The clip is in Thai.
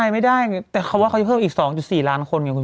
ไม่ได้แต่เขาว่าเขาจะเพิ่มอีก๒๔ล้านคนไงคุณ